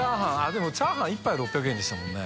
任チャーハン１杯６００円でしたもんね。